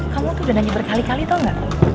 kamu tuh udah nanya berkali kali tau gak